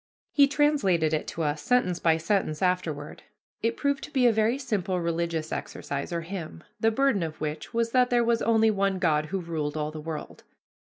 He translated it to us, sentence by sentence, afterward. It proved to be a very simple religious exercise or hymn, the burden of which was that there was only one God who ruled all the world.